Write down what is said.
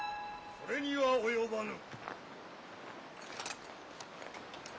・それには及ばぬ。